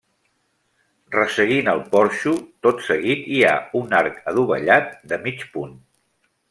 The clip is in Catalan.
Resseguint el porxo, tot seguit hi ha un arc adovellat de mig punt.